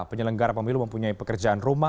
penyelenggara pemilu mempunyai pekerjaan rumah